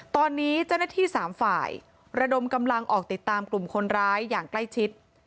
ตอนนี้เจ้าหน้าที่๓ฝ่ายระดมกำลังออกติดตามกลุ่มคนร้ายอย่างใกล้ชิด